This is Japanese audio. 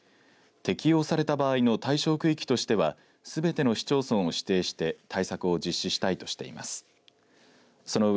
適用された場合の対象区域としてはすべての市町村を指定して対策を実施したいとしています。